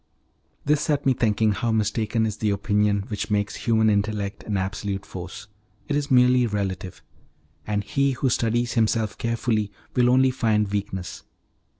This set me thinking how mistaken is the opinion which makes human intellect an absolute force; it is merely relative, and he who studies himself carefully will find only weakness.